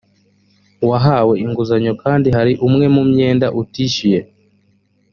wahawe inguzanyo kandi hari umwe mu myenda utishyuye